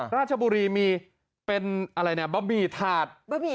ราชบุรีมีเป็นบะหมี่ถาด